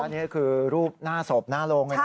อันนี้คือรูปหน้าศพหน้าโลงนะครับ